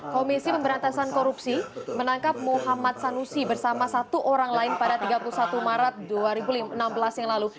komisi pemberantasan korupsi menangkap muhammad sanusi bersama satu orang lain pada tiga puluh satu maret dua ribu enam belas yang lalu